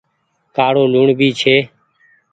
ڪآڙو لوڻ ڀي ڇي۔